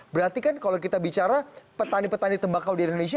berarti kan kalau kita bicara petani petani tembakau di indonesia